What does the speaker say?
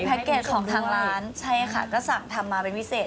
เกจของทางร้านใช่ค่ะก็สั่งทำมาเป็นพิเศษ